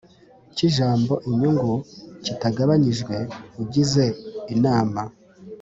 cy ijambo inyungu kitagabanyijwe ugize Inama